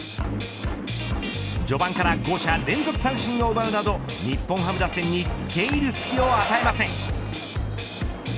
序盤から５者連続三振を奪うなど日本ハム打線につけいる隙を与えません。